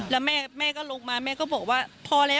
แล้วแม่ก็ลงมาแม่ก็บอกว่า